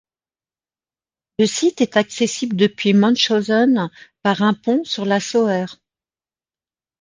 Le site est accessible depuis Munchhausen par un pont sur la Sauer.